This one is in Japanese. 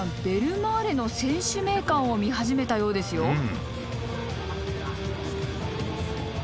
ベルマーレの選手名鑑を見始めたようですよ。